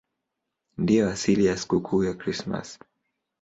Ndiyo asili ya sikukuu ya Krismasi.